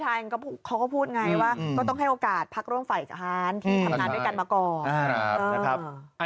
ทายเขาก็พูดไงว่าต้องให้โอกาสพักร่วมฝ่ายอาหารที่ทำงาน